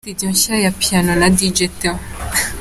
Studio nshya ya Piano na Dj Theo.